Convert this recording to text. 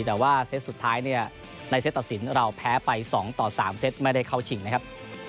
แต่ว่าเซตสุดท้ายเนี่ยในเซตตัดสินเราแพ้ไป๒ต่อ๓เซตไม่ได้เข้าชิงนะครับ